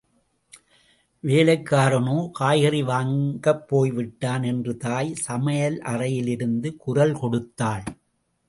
வேலைக்காரனோ காய்கறி வாங்கப் போய்விட்டான் என்று தாய் சமையலறையிலிருந்து குரல் கொடுத்தாள்.